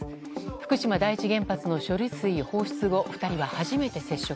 福島第一原発の処理水放出後２人は初めて接触。